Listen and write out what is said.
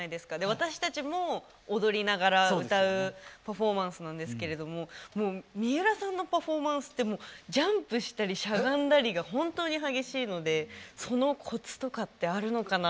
私たちも踊りながら歌うパフォーマンスなんですけれどももう三浦さんのパフォーマンスってジャンプしたりしゃがんだりが本当に激しいのでそのコツとかってあるのかなって思ってお聞きしたいです。